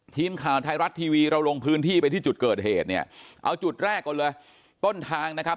ทีมข่าวไทยรัฐทีวีเราลงพื้นที่ไปที่จุดเกิดเหตุเนี่ยเอาจุดแรกก่อนเลยต้นทางนะครับ